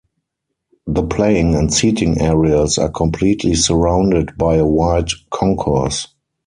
The playing and seating areas are completely surrounded by a wide concourse.